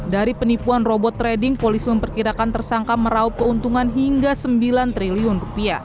dari penipuan robot trading polisi memperkirakan tersangka meraup keuntungan hingga rp sembilan triliun